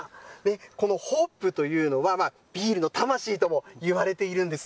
このホップというのは、ビールの魂ともいわれているんです。